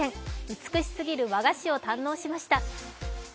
美しすぎる和菓子を堪能しました。